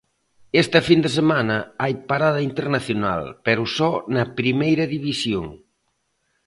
Esta fin de semana hai parada internacional, pero só na Primeira División.